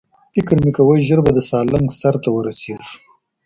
فکر مې کاوه ژر به د سالنګ سر ته ورسېږو.